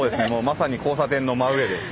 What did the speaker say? まさに交差点の真上です。